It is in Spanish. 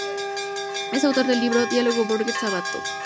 Es autor del libro "Diálogo Borges-Sabato".